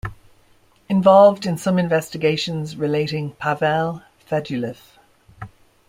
Involved in some investigations relating Pavel Fedulev.